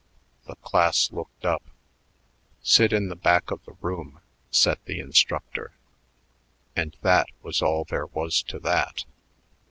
The class looked up. "Sit in the back of the room," said the instructor. And that was all there was to that.